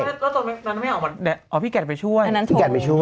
แล้วตอนนั้นไม่ออกมาอ๋อพี่แก่นไปช่วยพี่แก่นไปช่วย